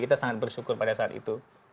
kita sangat bersyukur pada saat itu